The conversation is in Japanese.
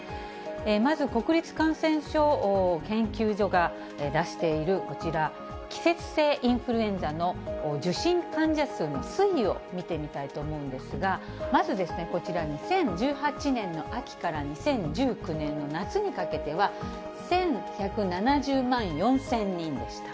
まず、国立感染症研究所が出しているこちら、季節性インフルエンザの受診患者数の推移を見てみたいと思うんですが、まずこちら、２０１８年の秋から２０１９年の夏にかけては、１１７０万４０００人でした。